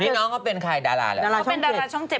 นี่น้องเขาเป็นใครดาราแล้ว